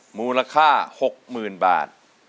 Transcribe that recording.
หมูราคาหกหมื่นบาท